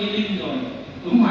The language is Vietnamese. chúng chỉ dự định là